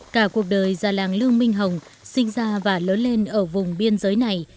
cả cuộc đời già làng lương minh hồng sinh ra và lớn lên ở vùng biên giới này